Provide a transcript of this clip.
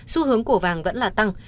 xu hướng của vàng vẫn là tăng